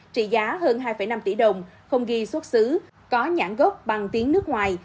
trị giá hơn hai năm tỷ đồng không ghi xuất xứ có nhãn gốc bằng tiếng nước ngoài